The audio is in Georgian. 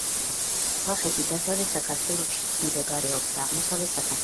სამცხე-ჯავახეთი დასავლეთ საქართველოშიც მდებარეობს და აღმოსავლეთ საქართველოშ